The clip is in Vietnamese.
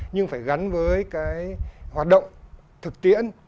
nhưng phải gắn với hoạt động thực tiễn